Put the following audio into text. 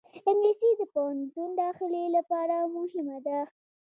انګلیسي د پوهنتون داخلې لپاره مهمه ده